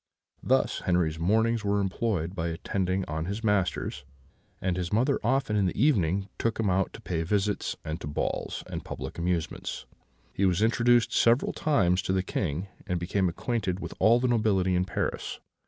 Thus Henri's mornings were employed by attending on his masters; and his mother often in the evening took him out to pay visits, and to balls and public amusements. He was introduced several times to the King, and became acquainted with all the nobility in Paris.